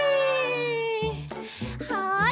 はい！